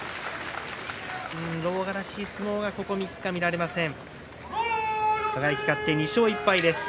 狼雅らしい相撲がこの３日間見られません。